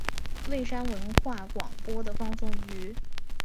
蔚山文化广播的放送局。